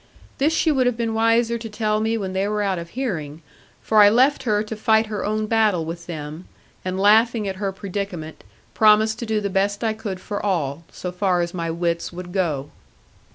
This she would have been wiser to tell me when they were out of hearing; for I left her to fight her own battle with them; and laughing at her predicament, promised to do the best I could for all, so far as my wits would go.